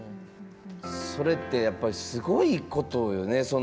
それってやっぱりすごいことよね。